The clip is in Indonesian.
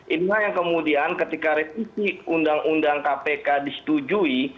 inilah yang kemudian ketika revisi undang undang kpk disetujui